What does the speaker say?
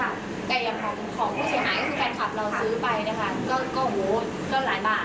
แต่ของผู้เสียหายก็คือแฟนคลับเราซื้อไปนะคะก็หลายบาท